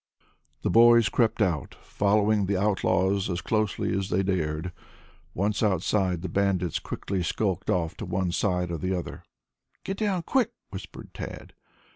The boys crept out, following the outlaws as closely as they dared. Once outside the bandits quickly skulked off to one side or the other. "Get down quick!" whispered Tad.